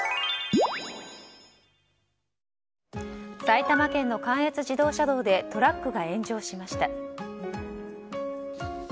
埼玉県の関越自動車道でトラックが炎上しました。